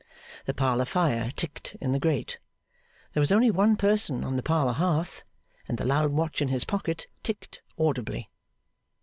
The parlour fire ticked in the grate. There was only one person on the parlour hearth, and the loud watch in his pocket ticked audibly.